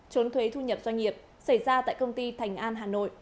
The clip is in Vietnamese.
trốn thuế thu nhập doanh nghiệp xảy ra tại công ty thành an hà nội